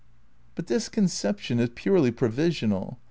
"' But this conception is purely provisional.